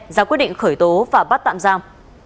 ra quyết định khởi tố và bắt tạm giam